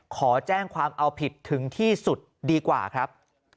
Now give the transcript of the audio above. ขอแจ้งความเอาผิดถึงที่สุดดีกว่าครับ